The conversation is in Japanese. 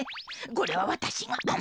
これはわたしが。